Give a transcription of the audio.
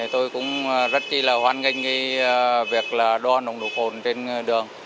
tôi cũng rất chí là hoan nghênh cái việc là đo nồng nụ khổn trên đường